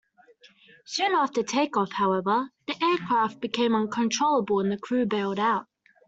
Soon after takeoff, however, the aircraft became uncontrollable, and the crew bailed out.